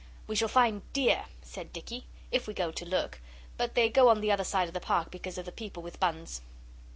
'We shall find deer,' said Dicky, 'if we go to look; but they go on the other side of the Park because of the people with buns.